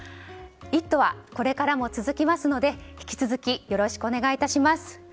「イット！」はこれからも続きますので引き続きよろしくお願いいたします。